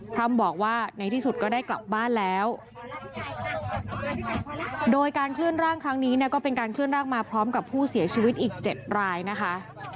พร้อมบอกว่าในที่สุดก็ได้กลับบ้านแล้วโดยการเคลื่อนร่างครั้งนี้เนี่ยก็เป็นการเคลื่อนร่างมาพร้อมกับผู้เสียชีวิตอีก๗รายนะคะ